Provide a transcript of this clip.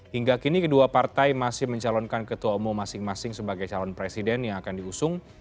hingga kini kedua partai masih mencalonkan ketua umum masing masing sebagai calon presiden yang akan diusung